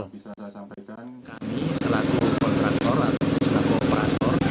bisa saya sampaikan kami selaku kontraktor atau selaku operator